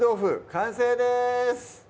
完成です